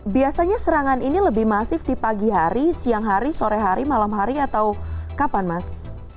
biasanya serangan ini lebih masif di pagi hari siang hari sore hari malam hari atau kapan mas